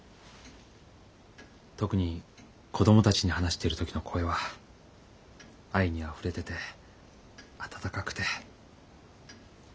特に子どもたちに話してる時の声は愛にあふれてて温かくて。